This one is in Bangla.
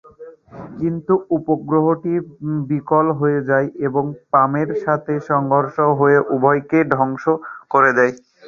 কিন্তু, উপগ্রহটি বিকল হয়ে যায় এবং পামের সাথে সংঘর্ষ হয়, উভয়কেই ধ্বংস করে দেয়।